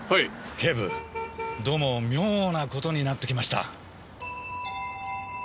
警部どうも妙なことになってきました。